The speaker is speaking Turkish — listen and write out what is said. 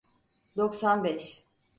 Doksan beş.